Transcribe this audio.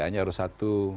kta nya harus satu